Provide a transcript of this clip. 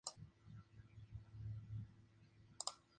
En la actualidad se encuentra en libertad bajo fianza.